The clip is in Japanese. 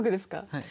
はい。